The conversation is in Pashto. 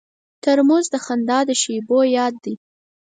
ترموز د خندا د شیبو یاد دی.